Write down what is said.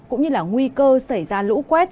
cũng như là nguy cơ xảy ra lũ quét